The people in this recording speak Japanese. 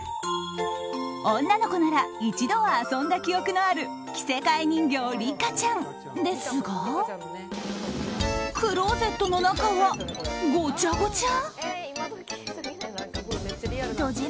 女の子なら一度は遊んだ記憶のある着せ替え人形リカちゃんですがクローゼットの中はごちゃごちゃ？